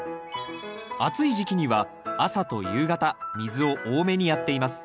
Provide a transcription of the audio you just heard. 暑い時期には朝と夕方水を多めにやっています。